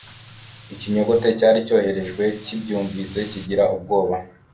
Ikinyogote cyari cyoherejwe kibyumvise kigira ubwoba.